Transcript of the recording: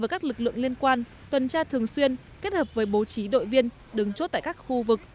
với các lực lượng liên quan tuần tra thường xuyên kết hợp với bố trí đội viên đứng chốt tại các khu vực